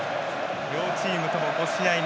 両チームとも５試合目。